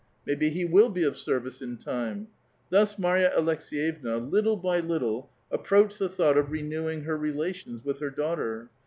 Maybe he will be of service in time. Thus Marya Aleks^yevna, little by little, approached the thought of re newing her relations with her daughter.